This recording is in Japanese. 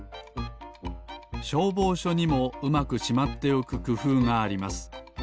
しょうぼうしょにもうまくしまっておくくふうがあります。